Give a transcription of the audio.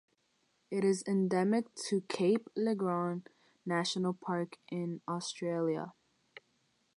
It is endemic to Cape Le Grand National Park in Australia.